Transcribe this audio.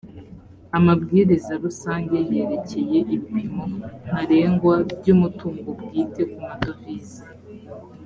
amabwiriza rusange yerekeye ibipimo ntarengwa by umutungo bwite mu madovize